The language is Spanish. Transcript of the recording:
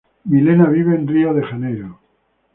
Milena vive en Río de Janeiro.